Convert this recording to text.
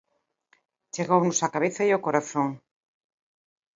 Chegounos á cabeza e ao corazón.